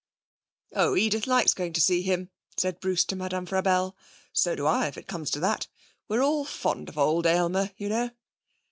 'Oh, Edith likes going to see him,' said Bruce to Madame Frabelle. 'So do I, if it comes to that. We're all fond of old Aylmer, you know.'